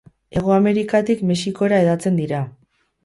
Hego Amerikatik Mexikora hedatzen dira.